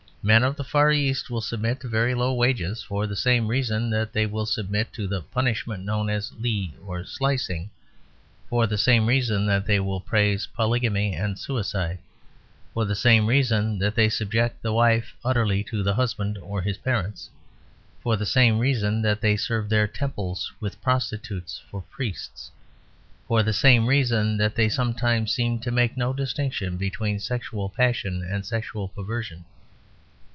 Men of the Far East will submit to very low wages for the same reason that they will submit to "the punishment known as Li, or Slicing"; for the same reason that they will praise polygamy and suicide; for the same reason that they subject the wife utterly to the husband or his parents; for the same reason that they serve their temples with prostitutes for priests; for the same reason that they sometimes seem to make no distinction between sexual passion and sexual perversion.